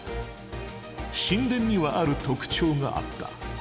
神殿にはある特徴があった。